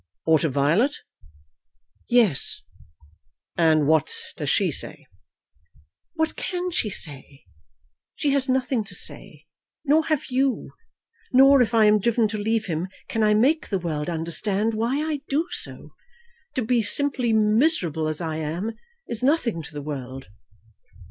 "Or to Violet?" "Yes." "And what does she say?" "What can she say? She has nothing to say. Nor have you. Nor, if I am driven to leave him, can I make the world understand why I do so. To be simply miserable, as I am, is nothing to the world."